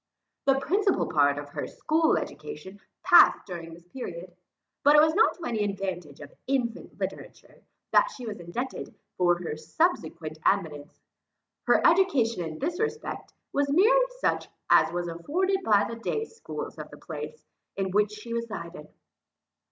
The principal part of her school education passed during this period; but it was not to any advantage of infant literature, that she was indebted for her subsequent eminence; her education in this respect was merely such, as was afforded by the day schools of the place, in which she resided.